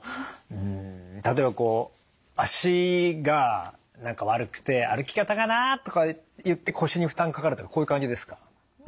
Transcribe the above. ん例えば足が悪くて歩き方がなとかいって腰に負担かかるとかこういう感じですか？